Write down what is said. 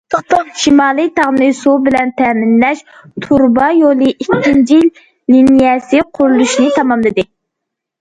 شىمالىي تاغنى سۇ بىلەن تەمىنلەش تۇرۇبا يولى ئىككىنچى لىنىيەسى قۇرۇلۇشىنى تاماملىدى.